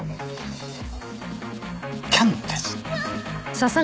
「キャンです」